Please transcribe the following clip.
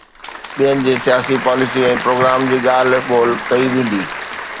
ٻين جي سياسي پاليسي ۽ پروگرام تي ڳالهه ٻولهه ڪئي ويندي.